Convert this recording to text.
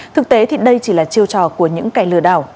thực tế thì đây chỉ là chiêu trò của những kẻ lừa đảo